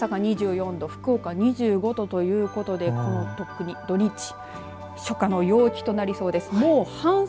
大阪２４度、福岡２５度ということで特に土日、初夏の陽気となりそうです。